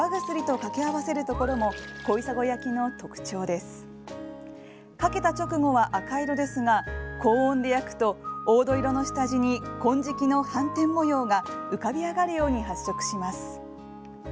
かけた直後は赤色ですが高温で焼くと黄土色の下地に金色の斑点模様が浮かび上がるように発色します。